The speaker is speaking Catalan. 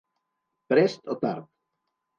Prest o tard.